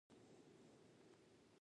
سترګې او ستونى يې راوکتل.